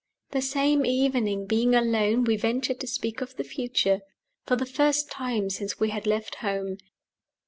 The same evening, being alone, we ventured to speak of the future for the first time since we had left home.